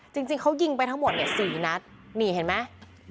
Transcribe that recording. จริงเขายิงไปทั้งหมดเนี่ย๔นัดนี่เห็นไหม